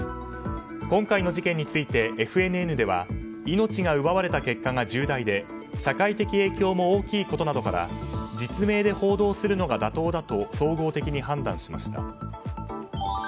今回の事件についてＦＮＮでは命が奪われた結果が重大で社会的影響も大きいことなどから実名で報道するのが妥当だと総合的に判断しました。